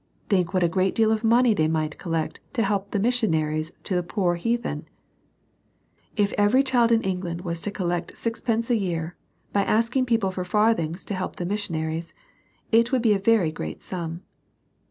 Think what a great deal of money they might collect to help the mis sionaries to the poor heathen. If every child in England was to collect sixpence a year, by ask ing people for farthings to help the missionaries, it would be a very great sum.